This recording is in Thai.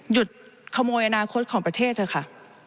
หยุดขโมยอนาคตของประเทศเถอะค่ะ